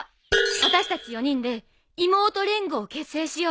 私たち４人で妹連合を結成しよう！